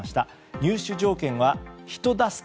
入手条件は人助け。